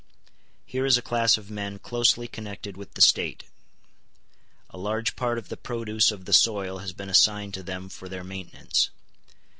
Here is a class of men closely connected with the state. A large part of the produce of the soil has been assigned to them for their maintenance.